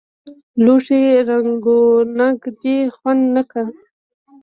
لوښي رنګونک دي خوند نۀ که